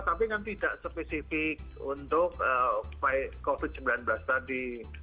tapi kan tidak spesifik untuk covid sembilan belas tadi